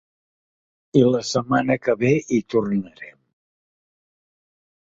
I la setmana que ve hi tornarem.